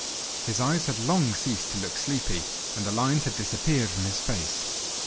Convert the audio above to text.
His eyes had long ceased to look sleepy, and the lines had disappeared from his face.